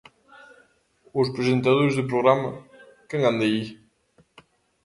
Os presentadores do programa "Quen anda aí?".